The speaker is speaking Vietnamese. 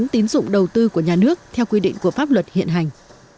tín dụng đầu tư của nhà nước theo quy định của pháp luật hiện hành